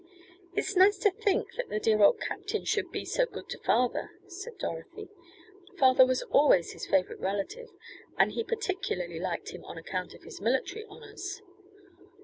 "It is nice to think that the dear old captain should be so good to father," said Dorothy. "Father was always his favorite relative, and he particularly liked him on account of his military honors."